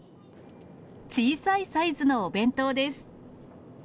小さいサイズのお弁当です。